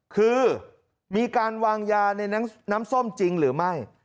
คือมีการวางยาในน้ำส้มจริงหรือไม่